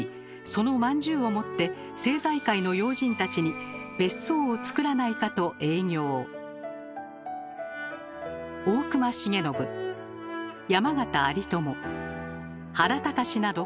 そのまんじゅうを持って政財界の要人たちに別荘を造らないかと営業。など